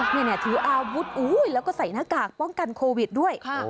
นี่ถืออาวุธแล้วก็ใส่หน้ากากป้องกันโควิดด้วย